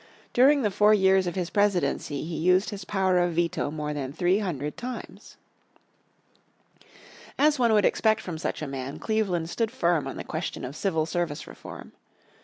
During the four years of his presidency he used his power of veto more than three hundred times. As one would expect from such a man Cleveland stood firm on the question of civil service reform.